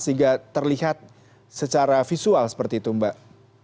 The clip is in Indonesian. sehingga terlihat secara visual seperti itu mbak